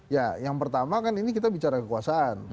ya yang pertama kan ini kita bicara kekuasaan